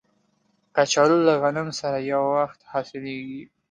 کچالو له غنم سره یو وخت حاصلیږي